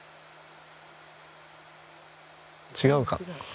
違うか。